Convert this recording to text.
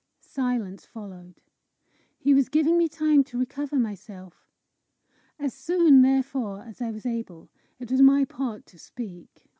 Silence followed. He was giving me time to recover myself. As soon, therefore, as I was able, it was my part to speak.